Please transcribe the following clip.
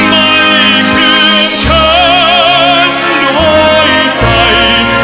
ไม่เร่รวนภาวะผวังคิดกังคัน